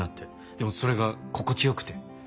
でもそれが心地良くて。